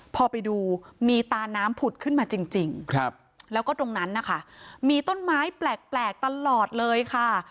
พอไปดูมีตาน้ำผุดขึ้นมาจริงแล้วก็ตรงนั้นนะคะมีต้นไม้แปลกตลอดเลยค่ะ